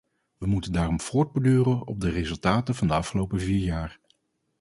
We moeten daarom voortborduren op de resultaten van de afgelopen vier jaar.